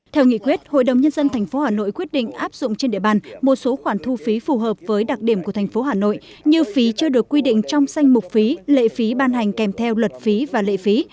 theo nghị quyết hội đồng nhân dân tp hà nội quyết định áp dụng trên địa bàn một số khoản thu phí phù hợp với đặc điểm của thành phố hà nội như phí chưa được quy định trong sanh mục phí lệ phí ban hành kèm theo luật phí và lệ phí